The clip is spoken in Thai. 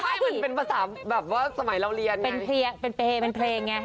ว้ายมันเป็นภาษาแบบว่าสมัยเราเรียนไงเป็นเพลงไง